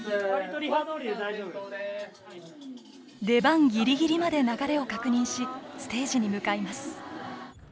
出番ギリギリまで流れを確認しステージに向かいます。